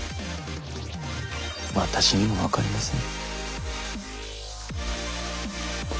私にも分かりません。